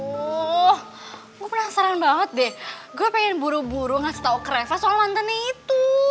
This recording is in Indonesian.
aduh gue penasaran banget deh gue pengen buru buru ngasih tau ke reva soal mantannya itu